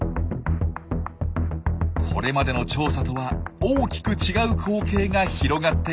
これまでの調査とは大きく違う光景が広がっていました。